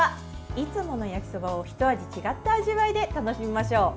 いつもの焼きそばをひと味違った味わいで楽しみましょう。